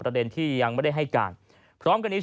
ประเด็นที่ยังไม่ได้ให้การพร้อมกันนี้